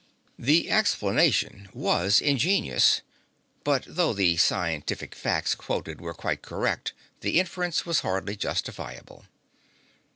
The explanation was ingenious, but though the scientific facts quoted were quite correct the inference was hardly justifiable.